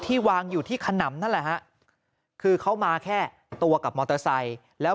วางอยู่ที่ขนำนั่นแหละฮะคือเขามาแค่ตัวกับมอเตอร์ไซค์แล้ว